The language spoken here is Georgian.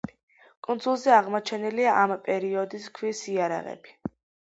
კუნძულზე აღმოჩენილია ამ პერიოდის ქვის იარაღები.